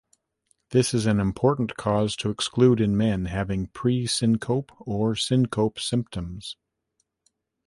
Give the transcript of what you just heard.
This is an important cause to exclude in men having pre-syncope or syncope symptoms.